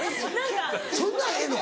そんなんええの？